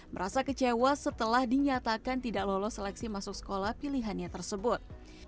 merasa kecewa setelah dinyatakan tidak lolos seleksi masuk sekolah pilihannya tersebut